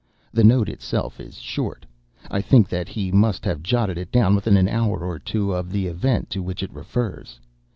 The note itself is short; I think that he must have jotted it down within an hour or two of the event to which it refers.